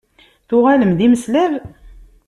Tuɣalem d imeslab?